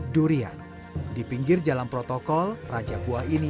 begitulah anggapan para maniak durian